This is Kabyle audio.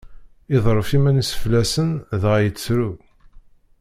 Iḍerref iman-is fell-asen dɣa yettru.